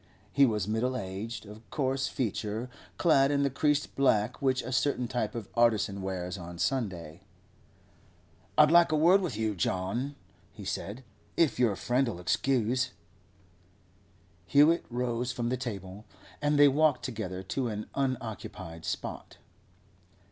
He was middle aged, coarse of feature, clad in the creased black which a certain type of artisan wears on Sunday. 'I'd like a word with you, John,' he said, 'if your friend'll excuse.' Hewett rose from the table, and they walked together to an unoccupied spot.